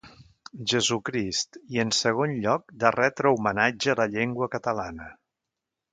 Jesucrist i en segon lloc de retre homenatge a la llengua catalana.